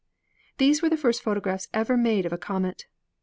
These were the first photographs ever made of a comet.